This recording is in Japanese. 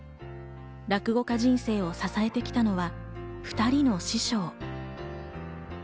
落語家人生を支えてきたのは２人の師匠。